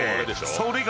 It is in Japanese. ［それが］